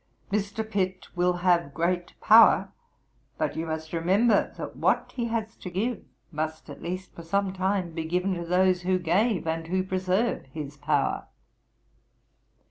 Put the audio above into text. Mr. Pitt will have great power: but you must remember, that what he has to give must, at least for some time, be given to those who gave, and those who preserve, his power.